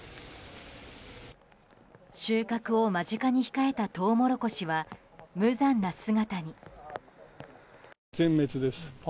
収穫を間近に控えたトウモロコシは無残な姿に。